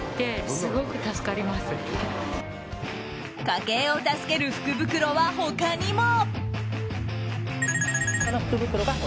家計を助ける福袋は他にも。